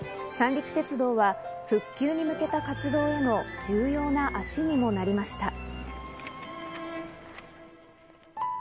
三陸鉄道は復旧に向けた活動への重要な足にもなりました。